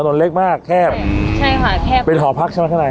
รถเล็กมากแคบใช่ค่ะแคบเป็นหอพักใช่ไหมข้างใน